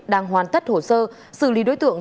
đang hoàn tất hồ sơ xử lý đối tượng